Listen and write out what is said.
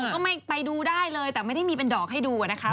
ก็ไม่ไปดูได้เลยแต่ไม่ได้มีเป็นดอกให้ดูนะคะ